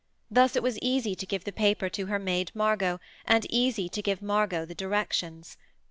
Thus it was easy to give the paper to her maid Margot, and easy to give Margot the directions.